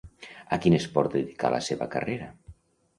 A quin esport dedicà la seva carrera?